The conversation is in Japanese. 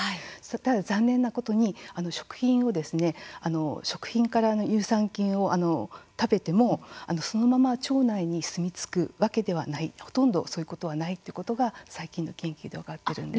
ただ、残念なことに食品から乳酸菌を食べてもそのまま腸内にすみつくわけではないほとんどそういうことはないということが最近の研究で分かっているんです。